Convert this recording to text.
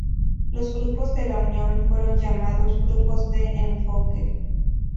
Los grupos de la Unión fueron llamados grupos de Enfoque.